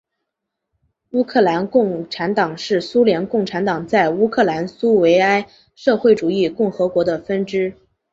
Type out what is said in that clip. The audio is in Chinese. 乌克兰共产党是苏联共产党在乌克兰苏维埃社会主义共和国的分支。